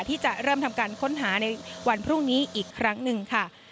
ที่จะเริ่มทำการค้นหาในวันพรุ่งนี้อีกครั้งหนึ่งค่ะ